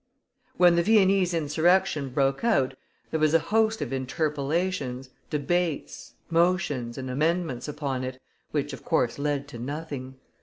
When the Viennese insurrection broke out, there was a host of interpellations, debates, motions, and amendments upon it, which, of course, led to nothing.